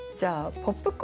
「ポップコーン」。